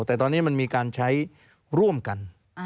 แต่ตอนนี้มันมีการใช้ร่วมกัน